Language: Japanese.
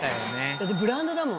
だってブランドだもん。